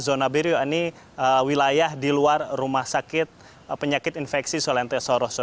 zona biru ini wilayah di luar rumah sakit penyakit infeksi solente soroso